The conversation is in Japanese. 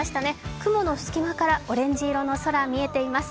雲の隙間からオレンジ色の空、見えています。